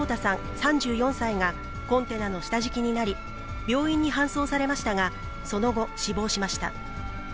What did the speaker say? ３４歳がコンテナの下敷きになり、病院に搬送されましたが、その後、死亡しました。